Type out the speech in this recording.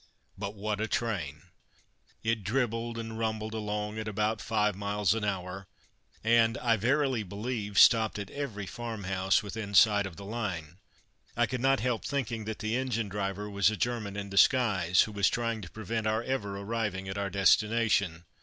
But what a train! It dribbled and rumbled along at about five miles an hour, and, I verily believe, stopped at every farmhouse within sight of the line. I could not help thinking that the engine driver was a German in disguise, who was trying to prevent our ever arriving at our destination.